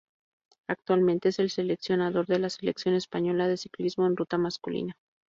Actualmente es el seleccionador de la Selección Española de Ciclismo en Ruta Masculina.